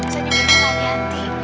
saya nyembunyikan lantian